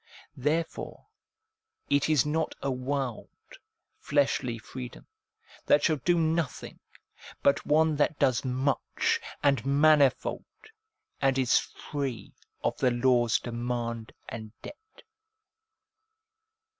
Therefore it is not a wild, fleshly freedom, that shall do nothing, but one that does much and manifold, and is free of the law's demand and debt.